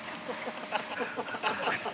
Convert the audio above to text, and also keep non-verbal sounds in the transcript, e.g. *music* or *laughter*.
ハハハ *laughs*